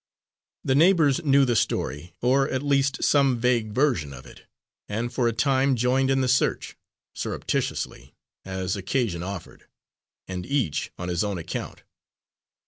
The neighbours knew the story, or at least some vague version of it, and for a time joined in the search surreptitiously, as occasion offered, and each on his own account.